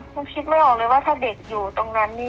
คิดไม่ออกเลยว่าถ้าเด็กอยู่ตรงนั้นนี่